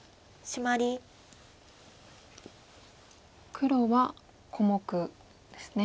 黒は小目ですね。